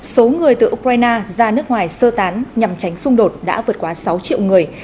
số người từ ukraine ra nước ngoài sơ tán nhằm tránh xung đột đã vượt quá sáu triệu người